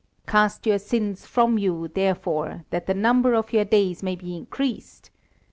Cast your sins from you, therefore, that the number of your days may be increased!